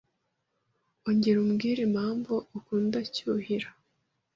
Ongera umbwire impamvu ukunda Cyuhira.